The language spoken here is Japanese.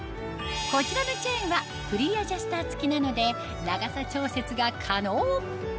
こちらのチェーンはフリーアジャスター付きなので長さ調節が可能